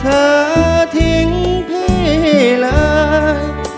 เธอทิ้งพี่แล้ว